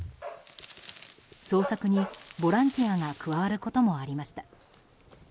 捜索にボランティアが加わることもありました。